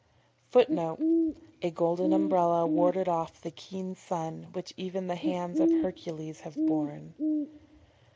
[Footnote: "A golden umbrella warded off the keen sun, which even the hands of Hercules have borne."